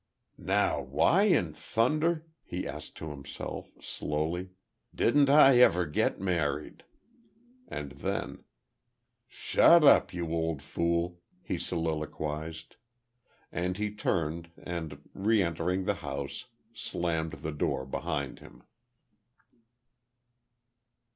"Now why in thunder," he asked of himself, slowly, "didn't I ever get married?" And then, "Shut up, you old fool," he soliloquized. And he turned, and, re entering the house, slammed the door behind him.